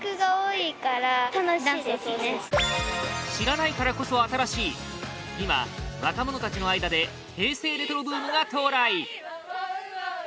知らないからこそ新しい今、若者たちの間で平成レトロブームが到来！